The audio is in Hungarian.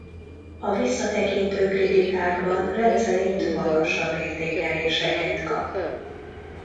A visszatekintő kritikákban rendszerint magasabb értékeléseket kap.